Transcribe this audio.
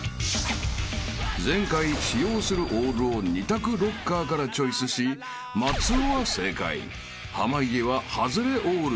［前回使用するオールを２択ロッカーからチョイスし松尾は正解濱家は外れオールに］